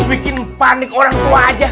bikin panik orang tua aja